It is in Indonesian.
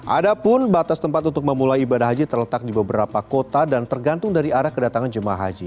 ada pun batas tempat untuk memulai ibadah haji terletak di beberapa kota dan tergantung dari arah kedatangan jemaah haji